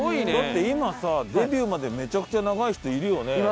だって今さデビューまでめちゃくちゃ長い人いるよね。